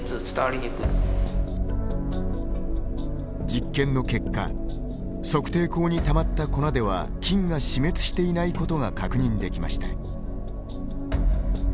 実験の結果測定口にたまった粉では菌が死滅していないことが確認できました。